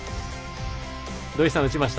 土居さんは打ちました？